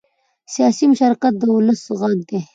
سیاسي مشارکت د ولس غږ دی